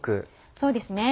そうですね。